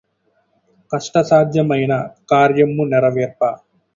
కష్టసాధ్యమైన కార్యమ్ము నెరవేర్ప